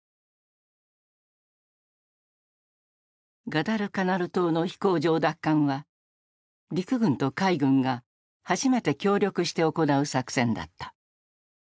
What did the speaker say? ガダルカナル島の飛行場奪還は陸軍と海軍が初めて協力して行う作戦だった。